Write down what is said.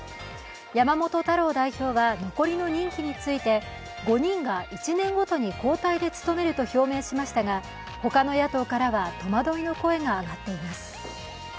山本太郎代表は残りの任期について５人が１年ごとに交代で務めると表明しましたが他の野党からは戸惑いの声が上がっています。